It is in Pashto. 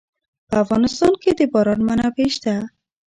په افغانستان کې د باران منابع شته.